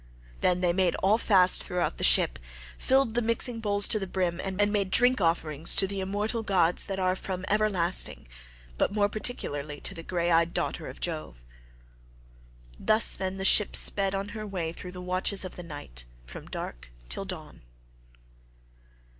Then they made all fast throughout the ship, filled the mixing bowls to the brim, and made drink offerings to the immortal gods that are from everlasting, but more particularly to the grey eyed daughter of Jove. Thus, then, the ship sped on her way through the watches of the night from dark till dawn.